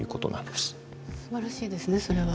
すばらしいですねそれは。